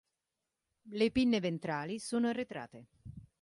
Le pinne ventrali sono arretrate.